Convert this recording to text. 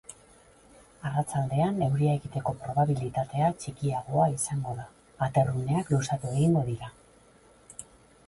Arratsaldean euria egiteko probabilitatea txikiagoa izango da, aterruneak luzatu egingo dira.